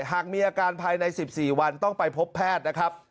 หากมีอาการภายใน๑๔วันต้องไปพบแพทย์นะครับ